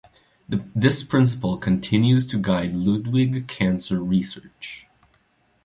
This principle continues to guide Ludwig Cancer Research.